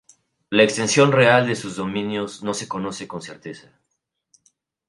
La extensión real de sus dominios no se conoce con certeza.